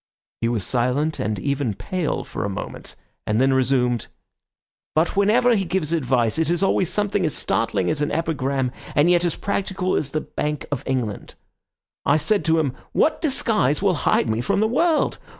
He was silent and even pale for a moment, and then resumed— "But whenever he gives advice it is always something as startling as an epigram, and yet as practical as the Bank of England. I said to him, 'What disguise will hide me from the world?